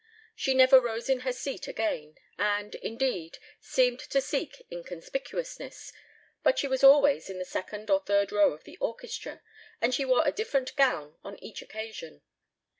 She never rose in her seat again, and, indeed, seemed to seek inconspicuousness, but she was always in the second or third row of the orchestra, and she wore a different gown on each occasion.